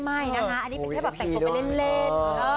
ไม่อันนี้แค่แบบแต่งตัวไปเล่น